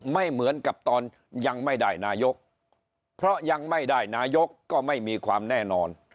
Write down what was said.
ไม่เหมือนกับตอนยังไม่ได้นายกเพราะยังไม่ได้นายกก็ไม่มีความแน่นอน